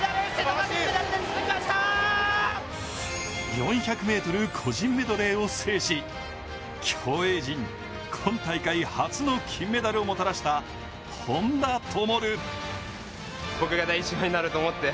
４００ｍ個人メドレーを制し競泳陣、今大会初の金メダルをもたらした本多灯。